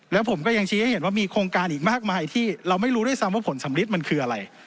แล้วผมก็ยังชี้ให้เห็นว่ามีโครงการอีกมากมายที่เราไม่รู้ด้วยซ้ำว่าผลสำลิดมันคืออะไร